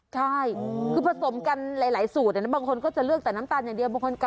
ใช่คือผสมกันหลายสูตรบางคนก็จะเลือกแต่น้ำตาลอย่างเดียวบางคน